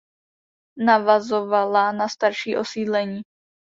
Navazovala na starší osídlení.